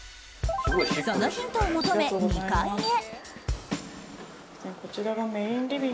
そのヒントを求め、２階へ。